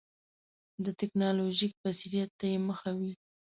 د ټکنالوژیک بصیرت ته یې مخه وي.